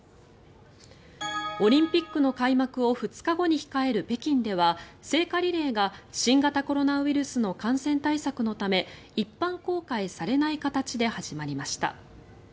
オリンピックの開幕を２日後に控える北京では聖火リレーが新型コロナウイルスの感染対策のため一般公開されない形で始まりました。